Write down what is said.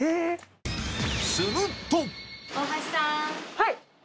はい。